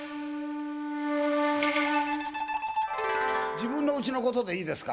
自分の家のことでいいですか？